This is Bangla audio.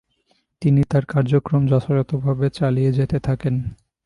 তিনি তার কার্যক্রম যথাযথভাবে চালিয়ে যেতে থাকেন।